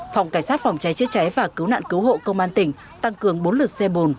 phòng cảnh sát phòng cháy chữa cháy và cứu nạn cứu hộ công an tỉnh tăng cường bốn lượt xe bồn